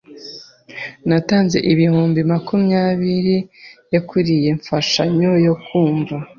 Natanze ibihumbi makumyabiri yen kuriyi mfashanyo yo kumva.